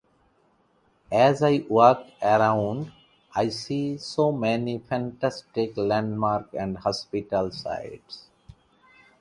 As I walk around, I see so many fascinating landmarks and historical sites.